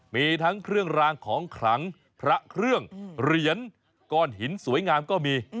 มีทั้งเครื่องรางของขลังพระเครื่องเหรียญก้อนหินสวยงามก็มี